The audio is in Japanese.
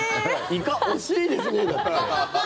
イカ惜しいですねだって。